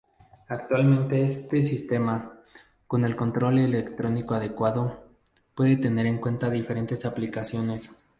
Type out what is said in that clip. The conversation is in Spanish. Actualmente este sistema, con el control electrónico adecuado, puede tener en cuenta diferentes aplicaciones.